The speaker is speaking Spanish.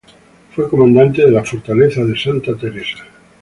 Fue comandante de la Fortaleza de Santa Teresa.